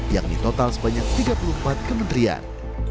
yakni total sebanyak tiga puluh empat kementerian